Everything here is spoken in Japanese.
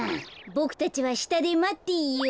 ボクたちはしたでまっていよう。